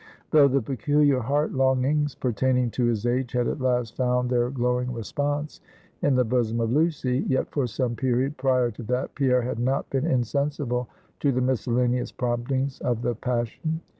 Though the peculiar heart longings pertaining to his age, had at last found their glowing response in the bosom of Lucy; yet for some period prior to that, Pierre had not been insensible to the miscellaneous promptings of the passion.